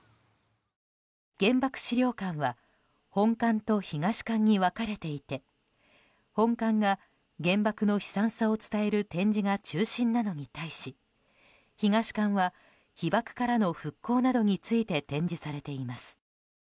原爆資料館は本館と東館に分かれていて本館が原爆の悲惨さを伝える展示が中心なのに対し東館は被爆からの復興などについて展示されています。